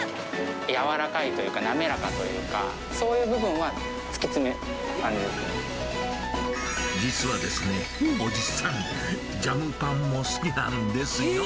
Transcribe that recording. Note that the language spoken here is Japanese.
柔らかいというか、滑らかというか、そういう部分は突き詰め実はですね、おじさん、ジャムパンも好きなんですよ。